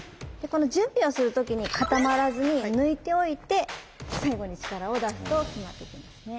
この準備をする時に固まらずに抜いておいて最後に力を出すと極まってきますね。